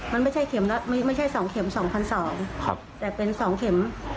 มันไม่ใช่๒เข็ม๒๒๐๐แต่เป็น๒เข็ม๒๒๐๐